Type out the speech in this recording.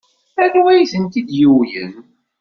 Anwa ay tent-id-yuwyen?